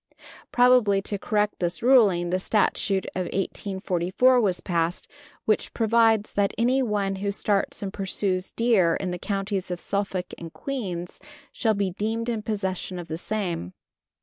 Probably to correct this ruling, the Statute of 1844 was passed, which provides that anyone who starts and pursues deer in the Counties of Suffolk and Queens shall be deemed in possession of the same.